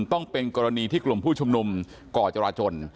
ต้องเป็นกรณีที่กลุ่มผู้ชุมนุมก่อจราจน